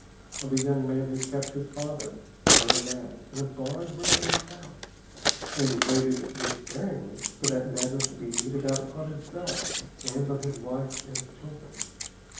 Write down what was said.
Of a young man who kept his father, murder mad, in a barred room in his house and waited despairingly for that madness to be meted out upon himself and on his wife and children.